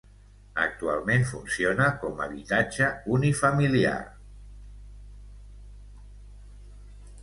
Actualment funciona com habitatge unifamiliar.